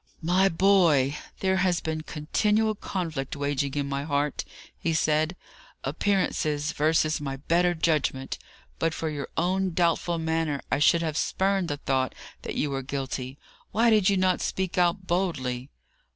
"My boy, there has been continual conflict waging in my heart," he said; "appearances versus my better judgment. But for your own doubtful manner, I should have spurned the thought that you were guilty. Why did you not speak out boldly?"